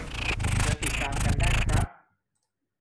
เชิญติดตามกันได้ครับ